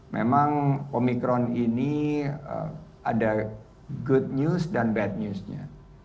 memang omikron ini ada good news dan bad news nya